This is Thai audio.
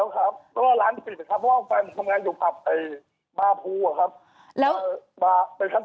อ่าทีนี้วันนี้ตอนที่ไปกระทรวงคลังอันนี้ได้พี่พี่พันธุ์ธได้ถามใครไหม